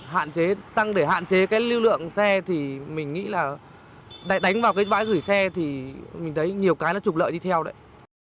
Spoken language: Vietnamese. hạn chế tăng để hạn chế cái lưu lượng xe thì mình nghĩ là đánh vào cái bãi gửi xe thì mình thấy nhiều cái nó trục lợi đi theo đấy